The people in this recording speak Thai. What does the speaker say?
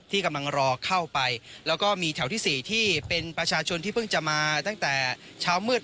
กำลังรอเข้าไปแล้วก็มีแถวที่๔ที่เป็นประชาชนที่เพิ่งจะมาตั้งแต่เช้ามืด